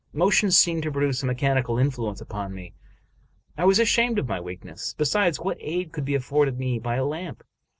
Motion seemed to produce a mechanical influence upon me. I was ashamed of my weakness. Besides, what aid could be afforded me by a lamp?